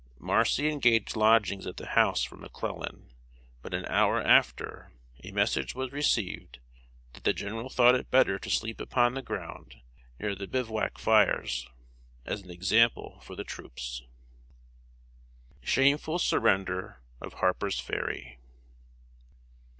Marcy engaged lodgings at the house for McClellan; but an hour after, a message was received that the general thought it better to sleep upon the ground, near the bivouac fires, as an example for the troops. [Sidenote: SHAMEFUL SURRENDER OF HARPER'S FERRY.